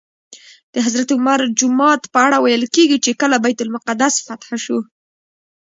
د حضرت عمر جومات په اړه ویل کېږي چې کله بیت المقدس فتح شو.